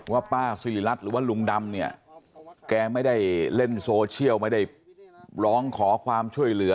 ป้าสิริรัตน์หรือว่าลุงดำเนี่ยแกไม่ได้เล่นโซเชียลไม่ได้ร้องขอความช่วยเหลือ